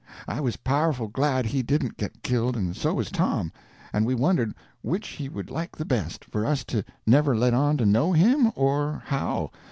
I was powerful glad he didn't get killed, and so was Tom, and we wondered which he would like the best—for us to never let on to know him, or how?